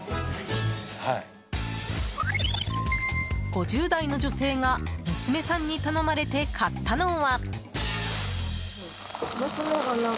５０代の女性が娘さんに頼まれて買ったのは。